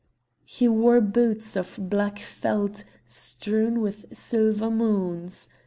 He wore boots of black felt strewn with silver moons.